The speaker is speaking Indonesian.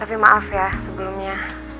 tapi maaf ya sebelumnya